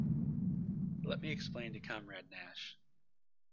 Let me explain to Comrade Nash.